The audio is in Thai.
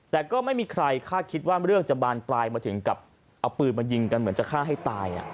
แต่ก็ไม่มีใครคาดคิดว่าเรื่องจะบานปลายมาถึงกับเอาปืนมายิงกันเหมือนจะฆ่าให้ตาย